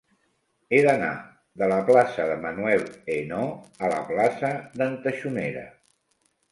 He d'anar de la plaça de Manuel Ainaud a la plaça d'en Taxonera.